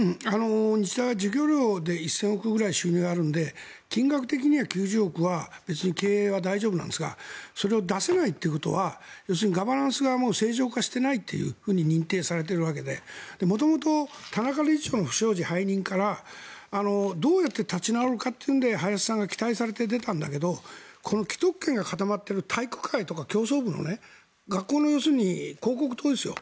日大は授業料で１０００億ぐらい収入があるので金額的には９０億は別に経営は大丈夫ですがそれを出せないということは要するにガバナンスがもう正常化していないと認定されているわけで元々、田中理事長の不祥事背任からどうやって立ち直るかというので林さんが期待されて出たんだけどこの既得権が固まっている体育会とか競争部の、学校の要するに広告塔ですよ